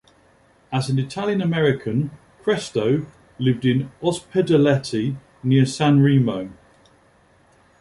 As an Italian American, Cresto lived in Ospedaletti, near Sanremo.